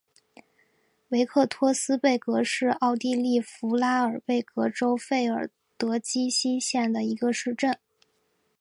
维克托斯贝格是奥地利福拉尔贝格州费尔德基希县的一个市镇。